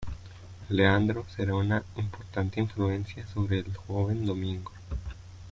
Leandro será una importante influencia sobre el joven Domingo.